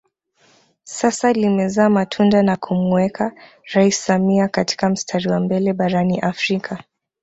Sasa limezaa matunda na kumuweka rais Samia katika mstari wa mbele barani Afrika